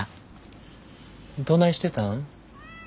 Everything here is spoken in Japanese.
どないしてたん？